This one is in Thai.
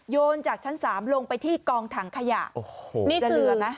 โยนจากชั้นสามลงไปที่กองถังขยะโอ้โหนี่คือจะเหลือนะ